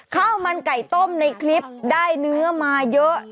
ข้าวมันไก่ต้มในคลิปได้เนื้อมาเยอะ